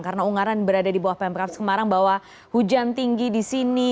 karena ungaran berada di bawah pemkap semarang bahwa hujan tinggi di sini